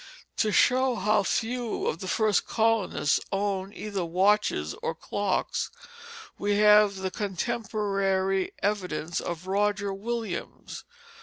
To show how few of the first colonists owned either watches or clocks, we have the contemporary evidence of Roger Williams.